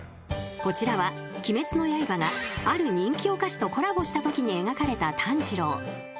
［こちらは『鬼滅の刃』がある人気お菓子とコラボしたときに描かれた炭治郎］